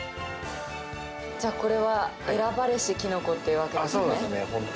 じゃあこれは、選ばれしキノコっていうわけですよね？